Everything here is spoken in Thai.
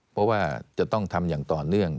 เพราะว่าจะต้องทำอย่างต่อเนื่อง